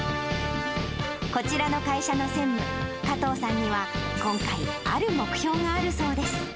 こちらの会社の専務、加藤さんには、今回、ある目標があるそうです。